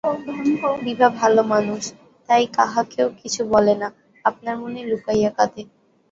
বিভা ভাল মানুষ, তাই কাহাকেও কিছু বলে না, আপনার মনে লুকাইয়া কাঁদে।